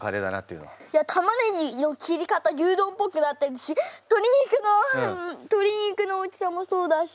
いや玉ねぎの切り方牛丼っぽくなってるし鶏肉の鶏肉の大きさもそうだし。